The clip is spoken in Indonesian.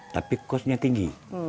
tapi kosnya tinggi